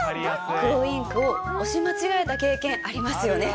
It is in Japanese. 黒インクを押し間違えた経験、ありますよね。